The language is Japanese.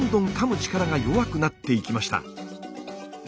力が弱くなっていきました。